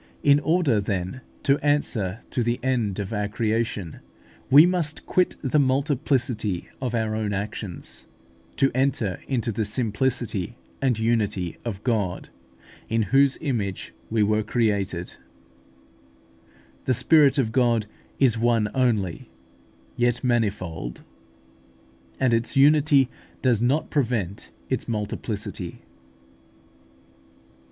In order, then, to answer the end of our creation, we must quit the multiplicity of our own actions, to enter into the simplicity and unity of God, in whose image we were created (Gen. i. 27). The Spirit of God is "one only," "yet manifold" (Wisdom of Solomon vii. 22), and its unity does not prevent its multiplicity.